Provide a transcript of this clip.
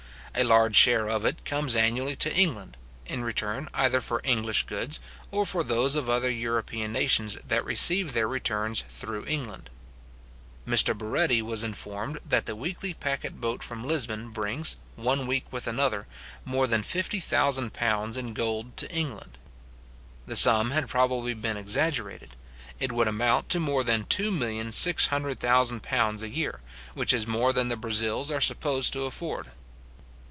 A large share of it comes annually to England, in return either for English goods, or for those of other European nations that receive their returns through England. Mr Barretti was informed, that the weekly packet boat from Lisbon brings, one week with another, more than £50,000 in gold to England. The sum had probably been exaggerated. It would amount to more than £2,600,000 a year, which is more than the Brazils are supposed to afford.